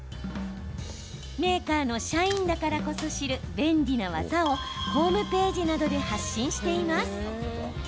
メーカーの社員だからこそ知る便利な技をホームページなどで発信しています。